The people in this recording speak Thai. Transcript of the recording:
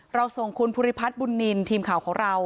ส่งคุณภูริพัฒน์บุญนินทีมข่าวของเรา